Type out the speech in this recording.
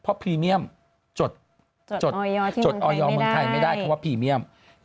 เพราะพรีเมียมจดออยอร์เมืองไทยไม่ได้เพราะว่าพรีเมียม